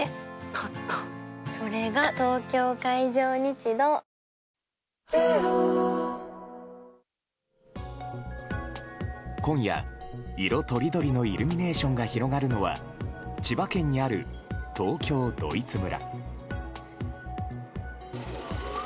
立ったそれが東京海上日動今夜、色とりどりのイルミネーションが広がるのは千葉県にある東京ドイツ村。